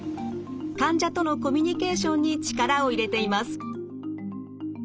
患者とのコミュニケーションに力を入れています。